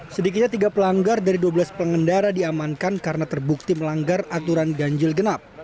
sedikitnya tiga pelanggar dari dua belas pengendara diamankan karena terbukti melanggar aturan ganjil genap